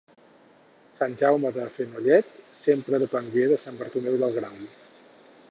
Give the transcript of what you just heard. Sant Jaume de Fenollet sempre depengué de Sant Bartomeu del Grau.